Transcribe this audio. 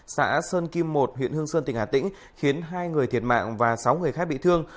xã sơn kim một huyện hương sơn tỉnh hà tĩnh khiến hai người thiệt mạng và sáu người khác bị thương